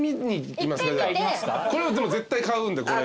これは絶対買うんで。